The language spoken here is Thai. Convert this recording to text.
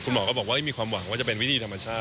หมอก็บอกว่าไม่มีความหวังว่าจะเป็นวิธีธรรมชาติ